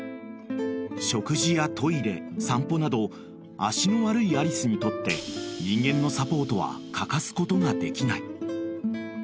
［食事やトイレ散歩など脚の悪いアリスにとって人間のサポートは欠かすことができない］